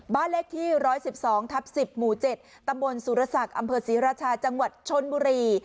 บ้านเลขที่๑๑๒ทับ๑๐หมู่๗ตำบลสุรศักดิ์อำเภอศรีราชาจังหวัดชนบุรี